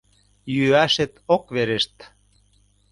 Йӱашет ок верешт.